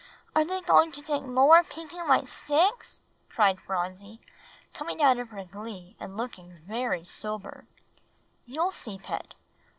are they going to take more pink and white sticks?" cried Phronsie, coming out of her glee, and looking very sober. "You'll see, Pet.